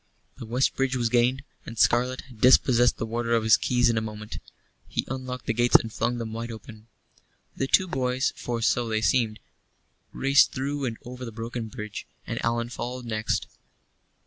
The west bridge was gained, and Scarlett had dispossessed the warder of his keys in a moment. He unlocked the gates and flung them wide open. The two boys for so they seemed raced through and over the broken bridge, and Allan followed next.